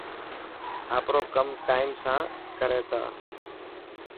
آپرو ڪم ٽائم سان ڪري ٿا.